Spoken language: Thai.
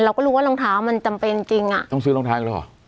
เราก็รู้ว่ารองเท้ามันจำเป็นจริงอ่ะต้องซื้อรองเท้าอีกแล้วเหรอ